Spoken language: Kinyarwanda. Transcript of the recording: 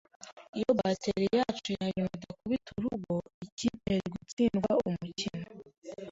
Iyo batteri yacu ya nyuma idakubita urugo, ikipe yari gutsindwa umukino